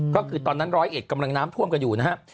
ก็คือตอนนั้นร้อยเอกกำลังน้ำท่วมกันอยู่นะครับ